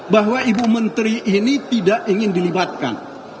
bahwa ibu menteri ini tidak ingin dilibatkan